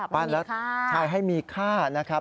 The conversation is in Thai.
ปั้นแล้วใช่ให้มีค่านะครับไม่มีค่า